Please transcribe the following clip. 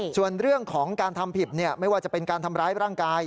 ส่วนเรื่องของการทำผิดไม่ว่าจะเป็นการทำร้ายร่างกาย